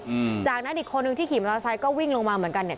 อืมจากนั้นอีกคนนึงที่ขี่มอเตอร์ไซค์ก็วิ่งลงมาเหมือนกันเนี่ย